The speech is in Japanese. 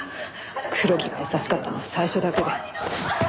黒木が優しかったのは最初だけで。